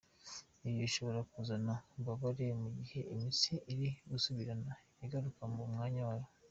Ibi bishobora kuzana ububabare mu gihe imitsi iri gusubirana igaruka mu mwanya wayo.